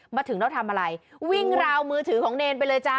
มาถึงแล้วทำอะไรวิ่งราวมือถือของเนรไปเลยจ้า